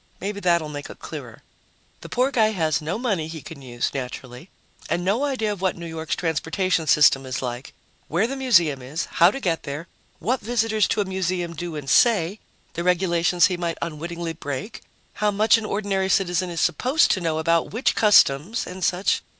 Maybe that'll make it clearer. The poor guy has no money he can use, naturally, and no idea of what New York's transportation system is like, where the museum is, how to get there, what visitors to a museum do and say, the regulations he might unwittingly break, how much an ordinary citizen is supposed to know about which customs and such.